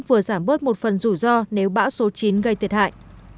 vừa giảm bớt một phần rủi ro nếu bão số chín gây thiệt hại